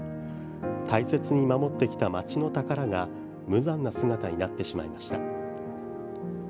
大切に守ってきた街の宝が無残な姿になってしまいました。